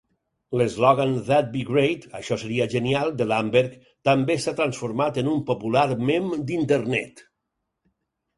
L'eslògan "that'd be great" ("això seria genial") de Lumbergh també s'ha transformat en un popular mem d'internet.